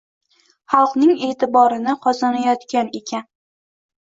Xalqning e’tiborini qozonayotgan ekan